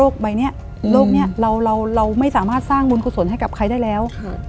โรคใบเนี้ยโรคเนี้ยเราเราเราไม่สามารถสร้างมูลคุณส่วนให้กับใครได้แล้ว